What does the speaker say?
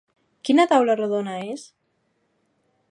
Quina taula rodona és?